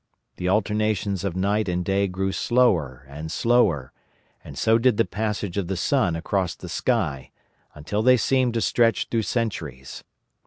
The alternations of night and day grew slower and slower, and so did the passage of the sun across the sky, until they seemed to stretch through centuries.